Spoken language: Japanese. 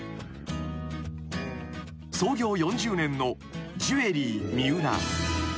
［創業４０年のジュエリー・ミウラ］